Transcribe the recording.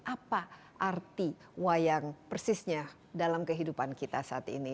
apa arti wayang persisnya dalam kehidupan kita saat ini